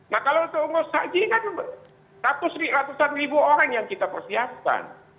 nah kalau untuk ngurus haji kan ratusan ribu orang yang kita persiapkan